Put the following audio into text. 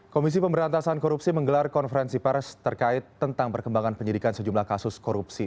komisi pemberantasan korupsi menggelar konferensi pers terkait tentang perkembangan penyidikan sejumlah kasus korupsi